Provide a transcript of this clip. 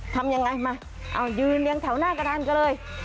ทำยังไงมาเอายืนเรียงแถวหน้ากระดานกันเลย